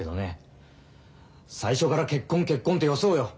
最初から「結婚結婚」ってよそうよ。